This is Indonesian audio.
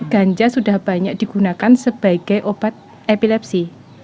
ganja sudah banyak digunakan sebagai obat epilepsi